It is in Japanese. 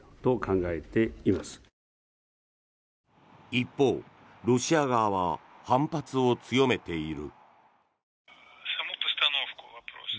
一方、ロシア側は反発を強めている。